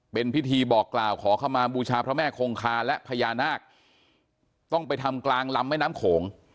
เป็นพิธีบอกกล่าวขอเข้ามาบูชาพระแม่คงคาและพญานาคต้องไปทำกลางลำแม่น้ำโขง